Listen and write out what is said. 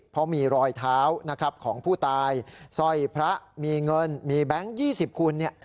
เพราะมีรอยเท้าของผู้ตายซ่อยพระมีเงินมีแบงค์๒๐คูณ